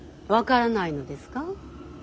分からないのですか。